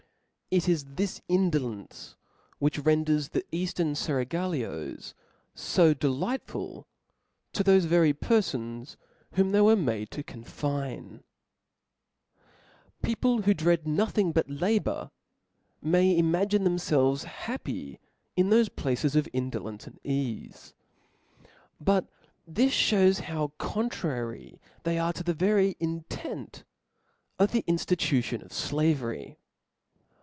It is this indolence which renders the (^) Eaftern ^^^^Sir fcragUos fo delightful to thofc very perfons, whom cbardin, they were made to confine. People who dread ^hde. ^^ nothing but labour, may imagine themfelves hap fcription py in thofe places of indolence and eafe. But market of this (hews how contrary they are to the very intent ^^^%^^^ of the inftitution of flavery.